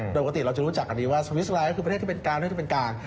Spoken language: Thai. โดยปกติเราจะรู้จักกันดีว่าสวิสไลน์ก็คือประเทศที่เป็นกลางเรื่องที่เป็นกลาง